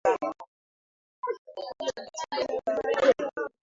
Japo walimsema kwa ubaya aliwasamehe.